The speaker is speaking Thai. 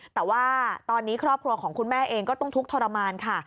แต่ว่าตอนนี้ครอบครัวของคุณแม่เองก็ต้องทุกข์ทรมานค่ะ